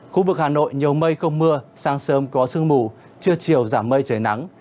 khu vực hà nội nhiều mây không mưa sáng sớm có sương mù trưa chiều giảm mây trời nắng